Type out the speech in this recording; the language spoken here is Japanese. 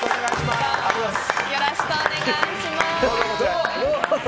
よろしくお願いします。